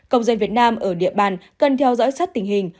công dân việt nam ở địa bàn cần theo dõi sát tình hình